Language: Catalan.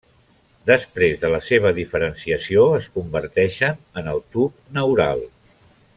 Després de la seva diferenciació es converteixen en el tub neural.